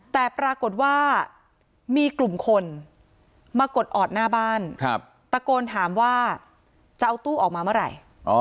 แต่ปรากฏว่ามีกลุ่มคนมากดออดหน้าบ้านตะโกนถามว่าจะเอาตู้ออกมาเมื่อไหร่